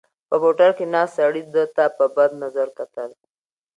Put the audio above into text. په موټر کې ناست سړي ده ته په بد نظر کتل.